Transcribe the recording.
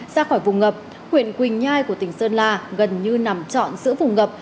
ra khỏi vùng ngập huyện quỳnh nhai của tỉnh sơn la gần như nằm trọn giữa vùng ngập